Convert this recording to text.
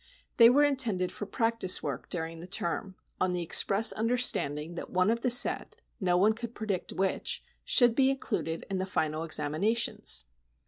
They were intended for practice work during the term, on the express understanding that one of the set, no one could predict which, should be included in the final examinations.